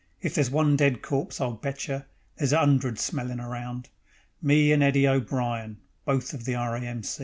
(If there's one dead corpse, I'll betcher There's a 'undred smellin' around.) Me and Eddie O'Brian, Both of the R. A. M.